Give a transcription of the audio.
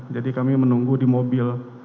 jadi kami menunggu di mobil